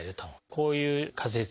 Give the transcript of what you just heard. こういう仮説。